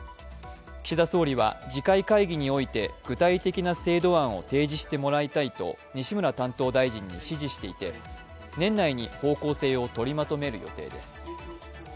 岸田総理は次回会議において具体的な制度案を提示してもらいたいと西村担当大臣に指示していて、年内に方向性を取りまとめる予定です。